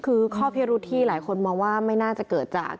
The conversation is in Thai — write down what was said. คือข้อพิรุธที่หลายคนมองว่าไม่น่าจะเกิดจาก